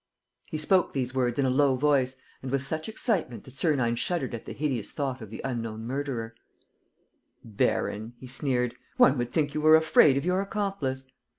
He spoke these words in a low voice and with such excitement that Sernine shuddered at the hideous thought of the unknown murderer: "Baron," he sneered, "one would think you were afraid of your accomplice!"